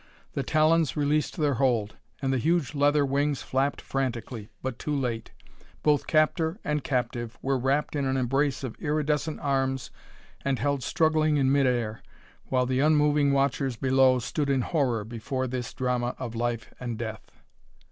The talons released their hold, and the huge leather wings flapped frantically; but too late. Both captor and captive were wrapped in an embrace of iridescent arms and held struggling in mid air, while the unmoving watchers below stood in horror before this drama of life and death.